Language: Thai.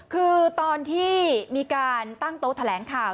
คือตอนที่มีการตั้งโต๊ะแถลงข่าว